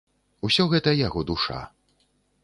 Усё гэта яго душа.